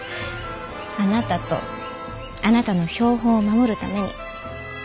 あなたとあなたの標本を守るために。